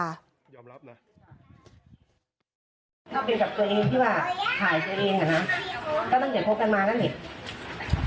ถ้าเป็นกับตัวเองที่ว่าถ่ายตัวเองอ่ะนะก็ตั้งแต่พบกันมาแล้วนี่